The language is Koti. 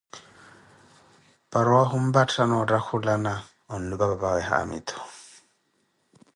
para owaahi omphattha na otthakulana, onlupah papawe Haamitu.